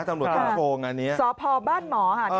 สอบพอบ้านหมอค่ะพี่เบิ้ล